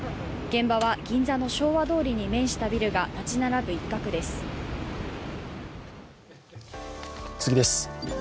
現場は銀座の昭和通りに面したビルが建ち並ぶ一角です。